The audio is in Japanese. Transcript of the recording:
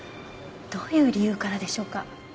どういう理由からでしょうか？